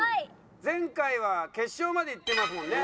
前回は決勝までいってますもんね。